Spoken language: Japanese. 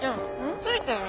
ついてるよ